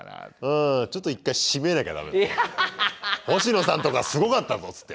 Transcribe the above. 「星野さんとこはすごかったぞ！」つって。